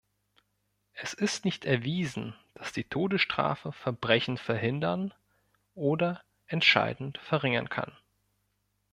Es ist nicht erwiesen, dass die Todesstrafe Verbrechen verhindern oder entscheidend verringern kann.